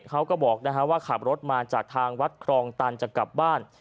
เขาก็บอกว่าขับรถมาจากทางวัดครองตันจะกลับบ้าน